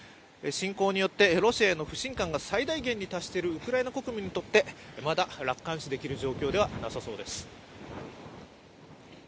侵攻によってロシアへの不信感が最大限に達しているウクライナ国民にとってまだ、楽観視できる状況ではなさそうです。